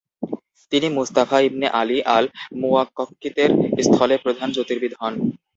তিনি Mustafa ibn Ali আল মুওয়াক্বক্বিতের স্থলে প্রধান জ্যোতির্বিদ হন।